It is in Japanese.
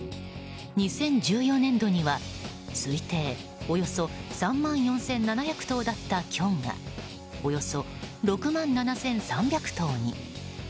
２０１４年度には推定およそ３万４７００頭だったキョンがおよそ６万７３００頭に。